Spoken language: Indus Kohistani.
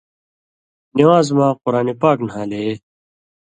نِوان٘ز مہ قرآن پاک نھالے،